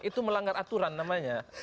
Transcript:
itu melanggar aturan namanya